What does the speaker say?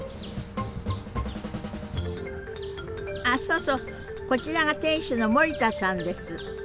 あそうそうこちらが店主の森田さんです。